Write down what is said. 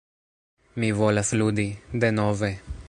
Mi volas ludi... denove...